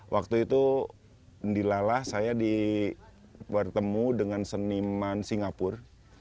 waktu itu di lalah saya dipertemukan dengan seniman singapura